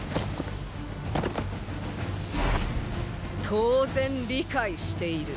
当然理解している！